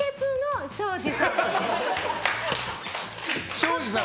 庄司さん。